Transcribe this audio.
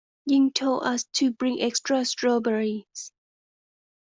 Ying told us to bring extra strawberries.